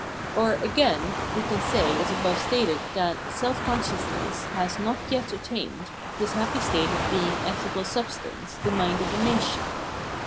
Or, again [we can say, as above stated, that] self ' consciousness has not yet attained this happy state of being ethical substance, the mind of a nation.